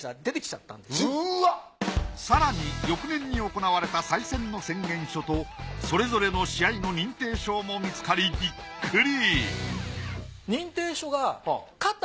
更に翌年に行われた再戦の宣言書とそれぞれの試合の認定証も見つかりビックリ